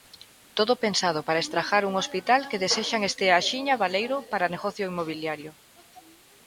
Todo pensado para estragar un hospital que desexan estea axiña baleiro para negocio inmobiliario.